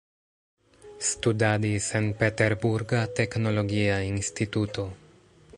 Studadis en Peterburga teknologia instituto.